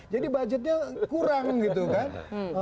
jadi budgetnya kurang gitu kan